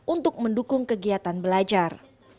untuk mendukung kegiatan belajar